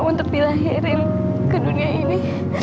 untuk dilahirin ke dunia ini